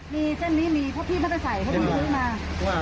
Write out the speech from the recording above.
ไม่จริงแต่ก็พี่เดี๋ยวถ้าพระองค์จะหลับท่องน่ะ